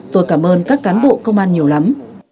tôi cảm ơn các cán bộ công an nhiều lắm